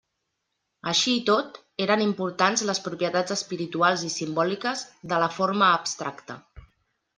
Així i tot, eren importants les propietats espirituals i simbòliques de la forma abstracta.